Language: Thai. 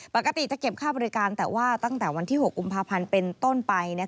ปกติจะเก็บค่าบริการแต่ว่าตั้งแต่วันที่๖กุมภาพันธ์เป็นต้นไป